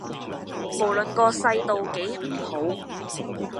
無論個世道幾唔好